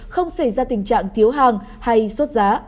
không xảy ra tình trạng thiếu hàng hay sốt giá